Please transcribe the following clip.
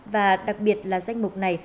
và đặc biệt là danh mục này